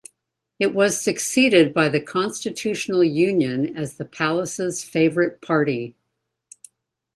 It was succeeded by the Constitutional Union as the palace's favourite party.